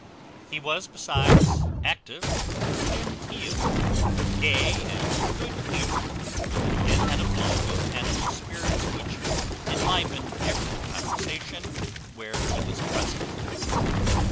He was besides active, genteel, gay, and good humoured; and had a flow of animal spirits which enlivened every conversation where he was present.